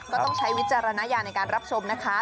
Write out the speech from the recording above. ต้องใช้วิจารณญาณในการรับชมนะคะ